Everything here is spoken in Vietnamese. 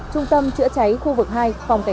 trung tâm chữa cháy khu vực hai phòng cảnh sát phòng cháy